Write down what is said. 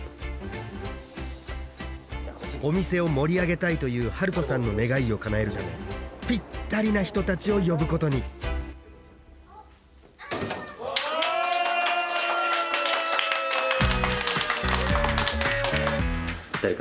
お店を盛り上げたいというはるとさんの願いをかなえるためぴったりな人たちを呼ぶことに誰か。